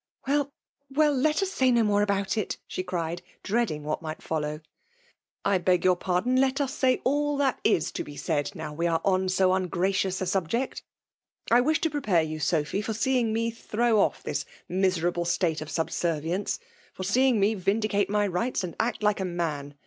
<* Well, well, let us say no more about itj*' she cried, dreading what might follow. " I beg your pardon, let us say all that is to be said, now we are on so ungracious a subject. I wish to prepare you, Sophy, for seeing me throw off this miserable state of subservience — for seeing me vindicate my rights and act like a man.